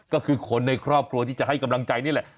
ก็คือคนในครอบครัวที่จะให้กำลังใจนี่แหละ